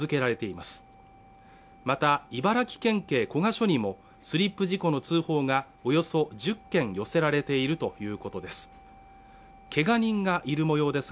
また茨城県警古河署にもスリップ事故の通報がおよそ１０件寄せられているということです